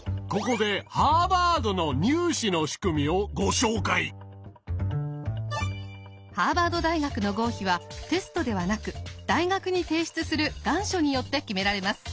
ここでハーバード大学の合否はテストではなく大学に提出する願書によって決められます。